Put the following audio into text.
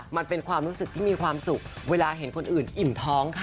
มันเป็นความรู้สึกที่มีความสุขเวลาเห็นคนอื่นอิ่มท้องค่ะ